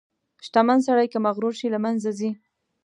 • شتمن سړی که مغرور شي، له منځه ځي.